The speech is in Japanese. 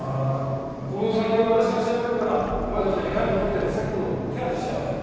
この先は私が調べるからお前たちは部屋に戻って佐木君の手当てしてやれ。